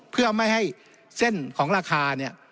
เพื่อไม่ให้เส้นของราคาเนี่ย